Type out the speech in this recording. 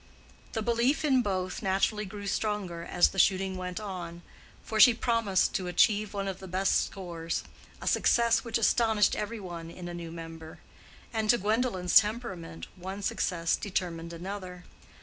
The belief in both naturally grew stronger as the shooting went on, for she promised to achieve one of the best scores—a success which astonished every one in a new member; and to Gwendolen's temperament one success determined another.